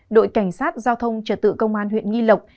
đội cảnh sát giao thông trật tự công an huyện nghi lộc